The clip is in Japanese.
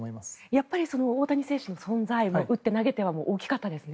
やっぱり大谷選手の存在が打って投げては大きかったですね。